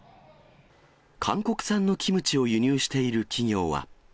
韓国産のキムチを輸入している企業は。